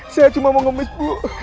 saya cuma mau ngemis bu